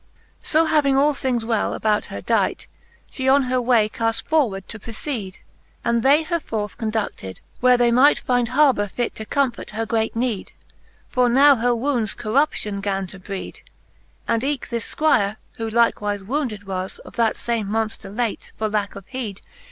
XXXI. So having all things well about her dight, She on her way caft forward to proceede, And they her forth condufted, where they might Finde harbour fit to comfort her great neede. For now her wounds corruption gan to breed ; And eke this Squire, who Hkewife wounded was Of that fame Monfter late, for lacke of heed.